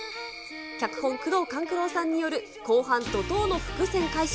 脚本、宮藤官九郎さんによる後半、怒とうの伏線回収。